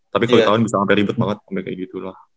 tapi kalo di taiwan bisa sampe ribet banget